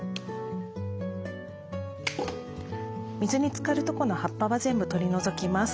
水につかるとこの葉っぱは全部取り除きます。